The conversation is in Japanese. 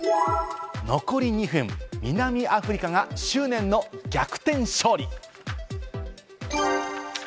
残り２分、南アフリカが執念の逆転勝利。